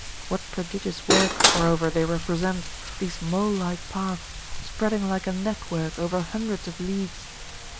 What prodigious work, moreover, they represent, these mole like paths, spreading like a network over hundreds of leagues.